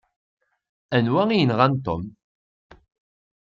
Anwa i yenɣan Tom?